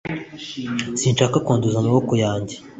sinshaka kwanduza amaboko yanjye